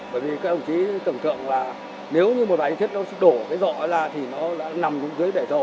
bởi vì các đồng chí tưởng tượng là nếu như một vài chi tiết nó đổ dọa ra thì nó nằm dưới bể dầu